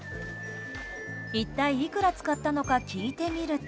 一体いくら使ったのか聞いてみると。